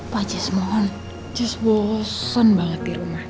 pak jess mohon jess bosen banget di rumah